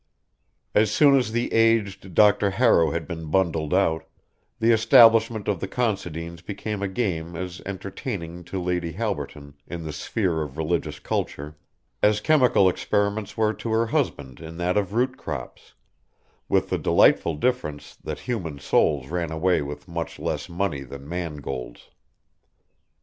As soon as the aged Dr. Harrow had been bundled out, the establishment of the Considines became a game as entertaining to Lady Halberton in the sphere of religious culture, as chemical experiments were to her husband in that of root crops with the delightful difference that human souls ran away with much less money than mangolds.